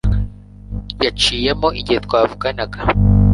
Yaciyemo igihe twavuganaga